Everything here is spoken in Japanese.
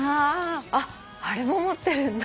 「あれも持ってるんだ。